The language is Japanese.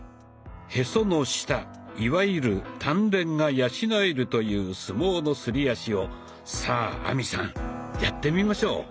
へその下いわゆる「丹田」が養えるという相撲のすり足をさあ亜美さんやってみましょう。